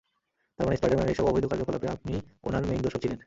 তারমানে স্পাইডার-ম্যানের এসব অবৈধ কার্যকলাপে আপনিই ওনার মেইন দোসর ছিলেন।